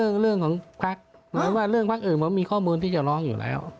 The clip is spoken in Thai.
ไม่ใช่เรื่องของพรรคหมายความว่าเรื่องพรรคอื่นผมมีข้อมูลที่จะล้องอยู่แล้ว